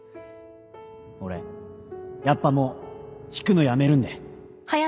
俺やっぱもう引くのやめるんで